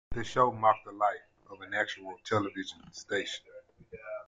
The show mocked the life of an actual television station.